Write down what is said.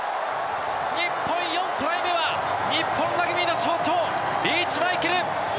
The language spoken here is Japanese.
日本４トライ目は日本ラグビーの象徴リーチマイケル！